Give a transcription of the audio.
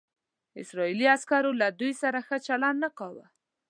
اسرائیلي عسکرو له دوی سره ښه چلند نه کاوه.